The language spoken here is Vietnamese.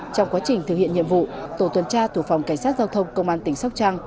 trong quá trình thực hiện nhiệm vụ tổ tuần tra thuộc phòng cảnh sát giao thông công an tỉnh sóc trăng